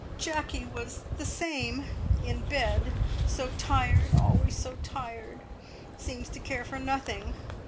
"Jacky was the same! In bed. So tired always so tired! Seems to care for nothing.